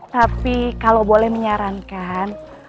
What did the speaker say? tapi kalau boleh menyarankan